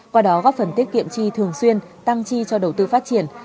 qua đó góp phần tiết kiệm chi thường xuyên tăng chi cho đầu tư phát triển